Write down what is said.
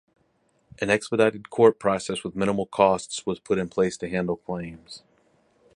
An expedited court process with minimal costs was put in place to handle claims.